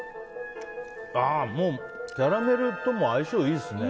もう、キャラメルとも相性いいですね。